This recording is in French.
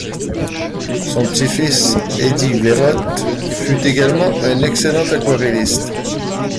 Son petit-fils Eddy Wérotte fut également un excellent aquarelliste.